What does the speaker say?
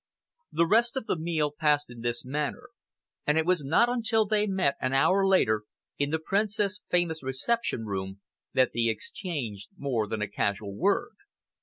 The rest of the meal passed in this manner, and it was not until they met, an hour later, in the Princess' famous reception room, that they exchanged more than a casual word.